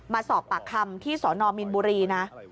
มาสอบปากคำที่สนมินบุรีนะ